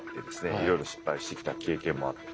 いろいろ失敗してきた経験もあって。